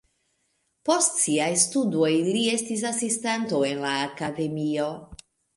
Post siaj studoj li estis asistanto en la akademio.